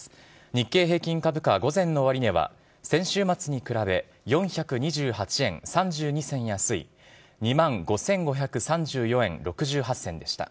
日経平均株価、午前の終値は、先週末に比べ４２８円３２銭安い、２万５５３４円６８銭でした。